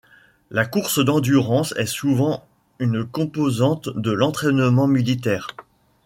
La course d'endurance est souvent une composante de l'entraînement militaire.